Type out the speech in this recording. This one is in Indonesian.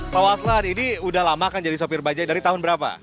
pak waslan ini udah lama kan jadi sopir bajaj dari tahun berapa